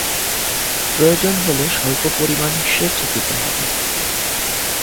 প্রয়োজন হলে স্বল্প পরিমাণ সেচ দিতে হবে।